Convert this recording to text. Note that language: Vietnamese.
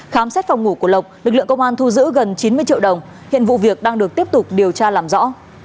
khám xét phòng ngủ của lộc lực lượng công an thu giữ gần chín mươi triệu đồng hiện vụ việc đang được tiếp tục điều tra làm rõ